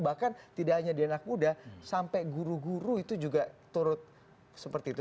bahkan tidak hanya di anak muda sampai guru guru itu juga turut seperti itu